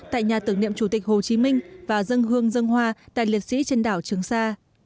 tại nhà tưởng niệm chủ tịch hồ chí minh và dân hương dân hoa tại liệt sĩ trên đảo trường sa